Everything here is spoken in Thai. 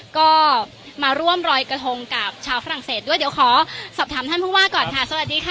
ก็มาร่วมรอยกระทงกับชาวฝรั่งเศสด้วยเดี๋ยวขอสอบถามท่านผู้ว่าก่อนค่ะสวัสดีค่ะ